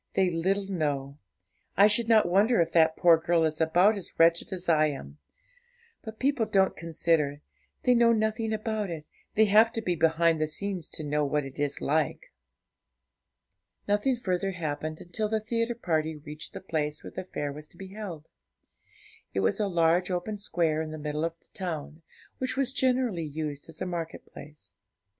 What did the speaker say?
they little know; I should not wonder if that poor girl is about as wretched as I am. But people don't consider; they know nothing about it; they have to be behind the scenes to know what it is like.' Nothing further happened until the theatre party reached the place where the fair was to be held. It was a large open square in the middle of the town, which was generally used as a market place.